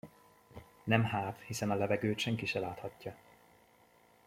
Nem hát, hiszen a levegőt senki se láthatja!